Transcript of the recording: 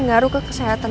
ngaruh ke kesehatan